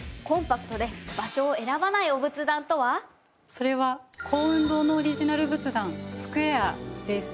それは光雲堂のオリジナル仏壇スクエアです。